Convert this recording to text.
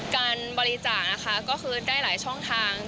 การบริจาคนะคะก็คือได้หลายช่องทาง